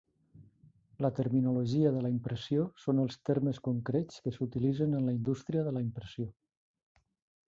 La terminologia de la impressió són els termes concrets que s'utilitzen en la indústria de la impressió.